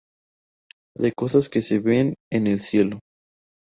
De cosas que se ven en el cielo".